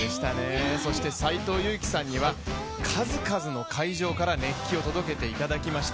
そして斎藤佑樹さんには数々の会場から熱気を届けていただきました。